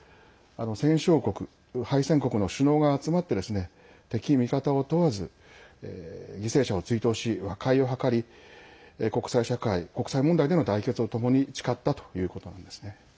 戦勝国、敗戦国の首脳が集まって敵、味方を問わず犠牲者を追悼し和解を図り国際社会、国際問題での団結をともに誓ったということなんです。